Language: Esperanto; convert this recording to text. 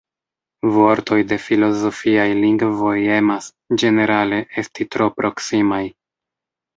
Vortoj de filozofiaj lingvoj emas, ĝenerale, esti tro proksimaj.